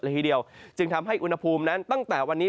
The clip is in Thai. ทีเดียวจึงทำให้อุณหภูมินั้นตั้งแต่วันนี้